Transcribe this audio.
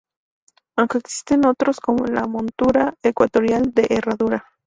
Aunque existen otros como la montura ecuatorial "de Herradura".